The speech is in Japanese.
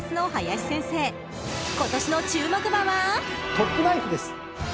トップナイフです。